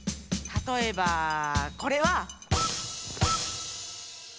たとえばこれは。